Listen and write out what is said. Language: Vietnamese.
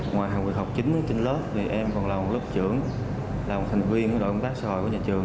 ngoài học vượt học chính trên lớp thì em còn là một lớp trưởng là một thành viên của đội công tác xã hội của nhà trường